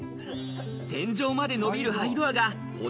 天井まで伸びるハイドアがホ